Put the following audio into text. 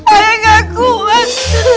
ayah tidak kuat